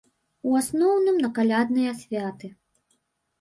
У асноўным на калядныя святы.